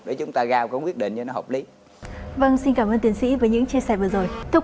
để chúng ta ra cũng quyết định cho nó hợp lý vâng xin cảm ơn tiến sĩ với những chia sẻ vừa rồi thưa